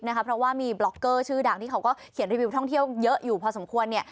เพราะว่ามีบล็อกเกอร์ชื่อดังที่เขาก็เขียนรีวิวท่องเที่ยวเยอะอยู่พอสมควร